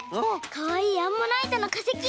かわいいアンモナイトのかせき。